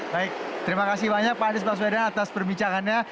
baik terima kasih banyak pak anies baswedan atas perbincangannya